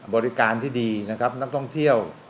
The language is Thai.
บริการที่ดีนะครับนักท่องเที่ยว